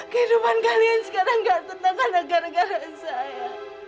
kehidupan kalian sekarang gak tertentang hanya gara gara saya